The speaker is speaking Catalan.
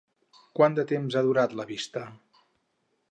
Quant de temps ha durat la vista?